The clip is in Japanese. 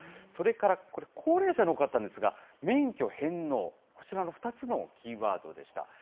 それから、高齢者の方ですが、免許返納、こちらの２つのキーワードでした。